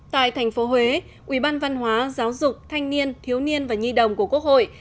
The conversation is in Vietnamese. tại thành phố huế ubnd giáo dục thanh niên thiếu niên và nhi đồng của quốc hội